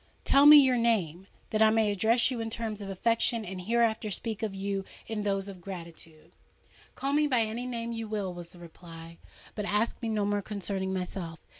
—tell me your name!—that I may address you in terms of affection, and hereafter speak of you in those of gratitude." "Call me by any name you will," was the reply; "but ask me no more concerning myself.